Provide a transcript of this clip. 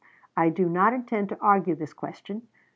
I do not intend to argue this question.